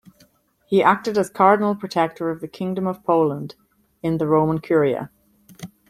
He acted as Cardinal Protector of the Kingdom of Poland in the Roman Curia.